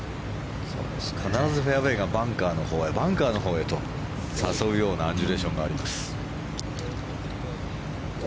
必ずフェアウェーがバンカーのほうへバンカーのほうへと誘うようなアンジュレーションがあります。